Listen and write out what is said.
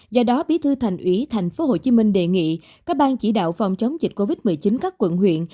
do đó bí thư thành ủy tp hcm đề nghị các bang chỉ đạo phòng chống dịch covid một mươi chín các quận huyện